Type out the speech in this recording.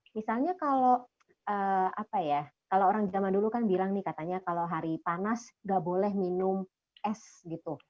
misalnya kalau orang zaman dulu kan bilang nih katanya kalau hari panas enggak boleh minum es gitu